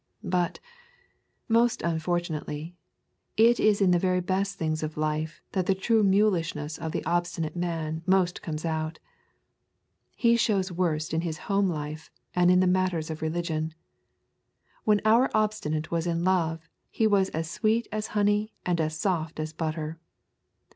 But, most unfortunately, it is in the very best things of life that the true mulishness of the obstinate man most comes out. He shows worst in his home life and in the matters of religion. When our Obstinate was in love he was as sweet as honey and as soft as butter.